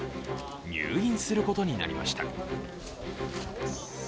入院することになりました。